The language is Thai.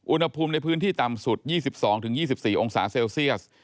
อุณหภูมิในพื้นที่ต่ำสุด๒๒๒๔องศาเซลเซียส